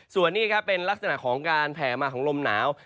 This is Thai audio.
ส่วนนี้ครับเป็นลักษณะของการแผ่มาของลมหนาว